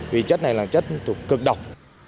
vì chất này là chất cực độc